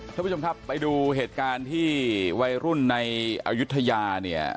ท่านผู้ชมครับไปดูเหตุการณ์ที่วัยรุ่นในอายุทยาเนี่ย